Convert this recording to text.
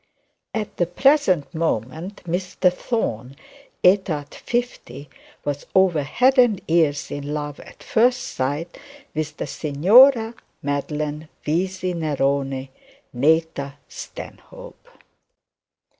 At the present moment Mr Thorne, aetat. fifty, was over head and ears in love at first sight with the Signora Madeline Vesey Neroni, nata Stanhope.